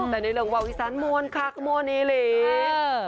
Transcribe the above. แต่ในเรื่องเว้าอีสานมวลค่ะก็มวลอีหรี